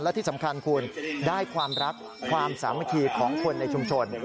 และที่สำคัญคุณได้ความรักความสามัคคีของคนในชุมชน